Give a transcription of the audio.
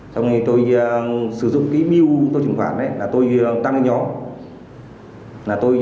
trong ngày tôi sử dụng cái mưu tôi truyền khoản tôi tăng lên nhỏ